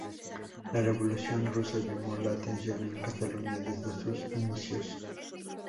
La Revolución rusa llamó la atención en Cataluña desde sus inicios.